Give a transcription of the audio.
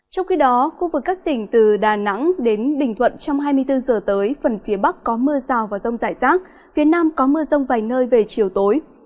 trong khi đó khu vực các tỉnh từ đà nẵng đến bình thuận trong hai mươi bốn giờ tới phần phía bắc có mưa rào và rông rải rác phía nam có mưa rông vài nơi về chiều tối